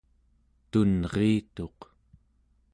tunriituq